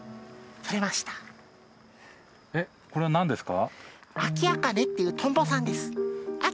えっこれは何ですか？